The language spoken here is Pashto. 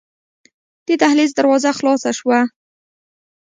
د دهلېز دروازه خلاصه شوه.